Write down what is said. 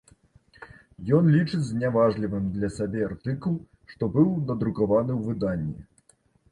Ён лічыць зняважлівым для сабе артыкул, што быў надрукаваны ў выданні.